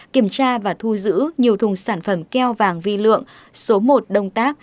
kiểm tra và thu giữ nhiều thùng sản phẩm keo vàng vi lượng số một đông tác